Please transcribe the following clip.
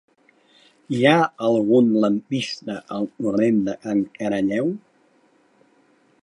Hi ha algun lampista al torrent de Can Caralleu?